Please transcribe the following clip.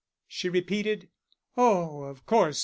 she repeated. "Oh, of course.